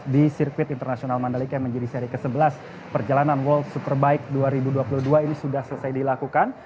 di sirkuit internasional mandalika yang menjadi seri ke sebelas perjalanan world superbike dua ribu dua puluh dua ini sudah selesai dilakukan